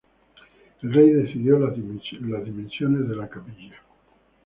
El rey decidió las dimensiones de la capilla.